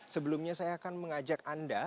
sebelumnya saya akan mengajak anda